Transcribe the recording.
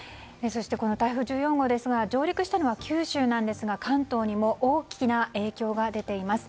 そして、この台風１４号ですが上陸したのは九州なんですが関東にも大きな影響が出ています。